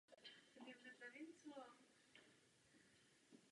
Ústí do Tatarského průlivu na severozápadě Japonského moře.